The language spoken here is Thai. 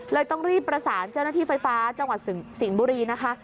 ต้องรีบประสานเจ้าหน้าที่ไฟฟ้าจังหวัดสิงห์บุรีนะคะ